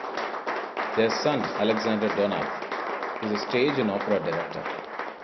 Their son, Alexander Donath, is a stage and opera director.